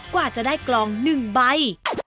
กว่าจะได้กลอง๑ใบ